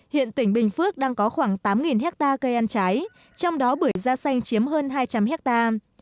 hiện tỉnh bình phước đang có khoảng tám hectare cây ăn trái trong đó bưởi da xanh chiếm hơn hai trăm linh hectare